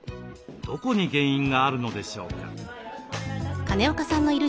どこに原因があるのでしょうか？